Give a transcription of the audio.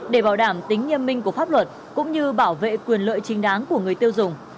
để bảo đảm tính nghiêm minh của pháp luật cũng như bảo vệ quyền lợi chính đáng của người tiêu dùng